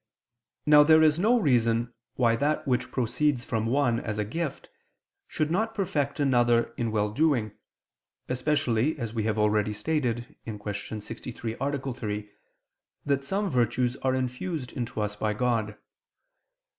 Now there is no reason why that which proceeds from one as a gift should not perfect another in well doing: especially as we have already stated (Q. 63, A. 3) that some virtues are infused into us by God.